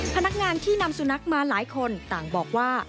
พนักงานที่นำสุนัขมาหลายคนต่างบอกว่า